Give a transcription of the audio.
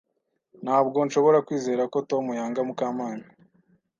Ntabwo nshobora kwizera ko Tom yanga Mukamana.